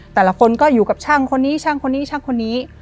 แต่ละคนก็อยู่กับช่างคนนี้ช่างคนนี้ช่างคนนี้